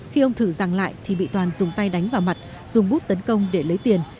khi ông thử rằng lại thì bị toàn dùng tay đánh vào mặt dùng bút tấn công để lấy tiền